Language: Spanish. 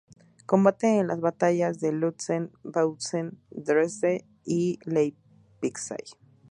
Combate en las batallas de Lützen, Bautzen, Dresde y Leipzig.